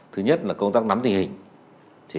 thứ nhất là công tác nắm tình hình